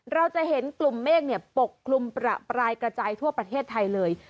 เราจะเห็นกลุ่มเมฆปกคลุมประปรายกระจายทั่วประเทศไทยเลย